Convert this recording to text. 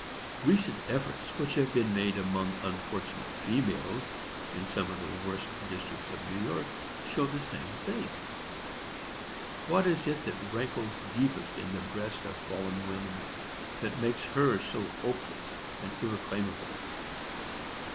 Recent efforts which have been made among unfortunate females in some of the worst districts of New York show the same thing. What is it that rankles deepest in the breast of fallen woman, that makes her so hopeless and irreclaimable?